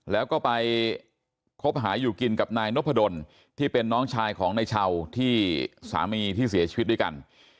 แล้วก็ไปคบหาอยู่กินกับนายนพดลที่เป็นน้องชายของนายเช่าที่สามีที่เสียชีวิตด้วยกัน